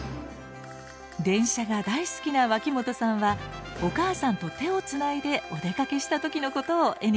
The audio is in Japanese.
電車が大好きな脇本さんはお母さんと手をつないでお出かけした時のことを絵にしました。